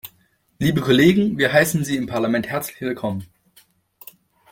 Liebe Kollegen, wir heißen Sie im Parlament herzlich willkommen.